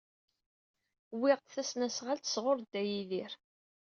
Wwiɣ-d tasnasɣalt-a sɣur Dda Yidir.